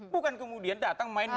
bukan kemudian datang